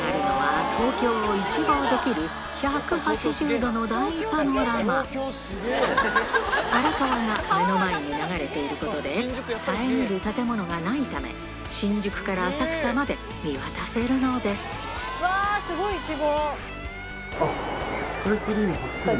目の前に広がるのは荒川が目の前に流れていることで遮る建物がないため新宿から浅草まで見渡せるのですすごい！一望！